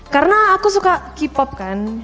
karena aku suka k pop kan